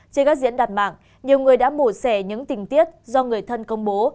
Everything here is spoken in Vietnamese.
trên các diễn đặt mạng nhiều người đã mổ xẻ những tình tiết do người thân công bố